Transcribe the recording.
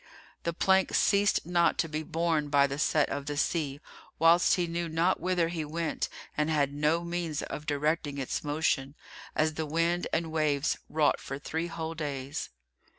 The plank ceased not to be borne by the set of the sea, whilst he knew not whither he went and had no means of directing its motion, as the wind and waves wrought for three whole days.